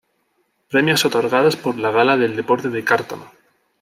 Premios otorgados por la Gala del Deporte de Cártama.